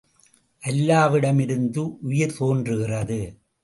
அல்லாவிடமிருந்து உயிர் தோன்றுகிறது.